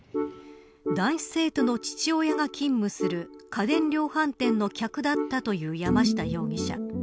男子生徒の父親が勤務する家電量販店の客だったという山下容疑者。